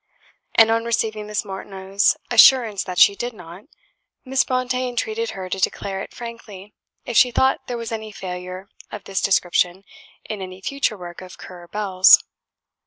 And on receiving Miss Martineau's assurance that she did not, Miss Brontë entreated her to declare it frankly if she thought there was any failure of this description in any future work of "Currer Bell's."